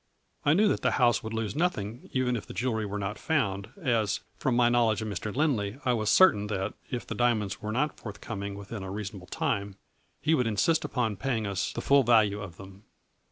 I knew that the house would lose nothing even if the jewelry were not found, as, from my knowledge of Mr. Lindley, I was cer tain that, if the diamonds were not forthcoming within a reasonable time, he would insist upon paying us the full value of them.